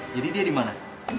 jadi dia dimana